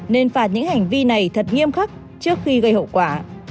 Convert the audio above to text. nên phạt những hành vi này thật nghiêm khắc trước khi gây hậu quả